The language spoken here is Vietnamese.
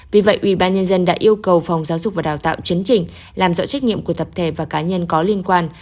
vì vậy ủy ban nhân dân đã yêu cầu phòng giáo dục và đào tạo chấn trình làm rõ trách nhiệm của tập thể và cá nhân có liên quan